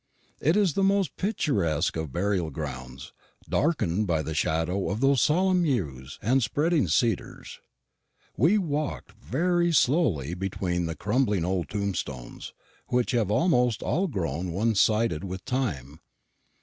It is the most picturesque of burial grounds, darkened by the shadow of those solemn yews and spreading cedars. We walked very slowly between the crumbling old tombstones, which have almost all grown one sided with time.